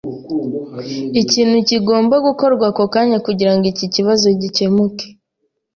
Ikintu kigomba gukorwa ako kanya kugirango iki kibazo gikemuke.